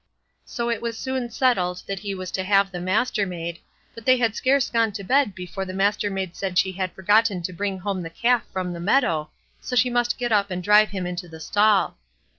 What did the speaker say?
So it was soon settled that he was to have the Mastermaid, but they had scarce gone to bed before the Mastermaid said she had forgotten to bring home the calf from the meadow, so she must get up and drive him into the stall.